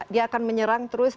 dia akan menyerang terus